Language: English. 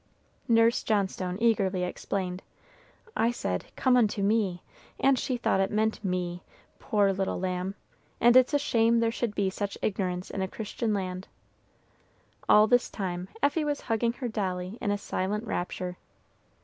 Nurse Johnstone eagerly explained: "I said 'Come unto Me,' and she thought it meant me, poor little lamb, and it's a shame there should be such ignorance in a Christian land!" All this time Effie was hugging her dolly in a silent rapture.